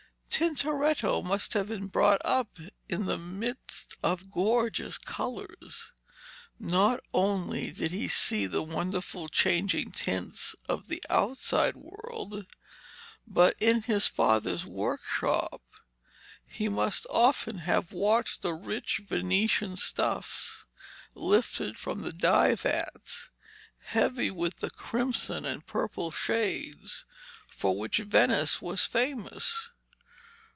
Tintoretto must have been brought up in the midst of gorgeous colours. Not only did he see the wonderful changing tints of the outside world, but in his father's workshop he must often have watched the rich Venetian stuffs lifted from the dye vats, heavy with the crimson and purple shades for which Venice was famous.